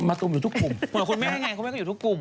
มัตตุมอยู่ทุกกลุ่มหมดคนแม่ไงเขาแม่ก็อยู่ทุกกลุ่ม